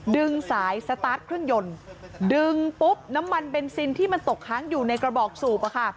ดึงสายสตาร์ทเครื่องยนต์ดึงปุ๊บน้ำมันเบนซินที่มันตกค้างอยู่ในกระบอกสูบอะค่ะ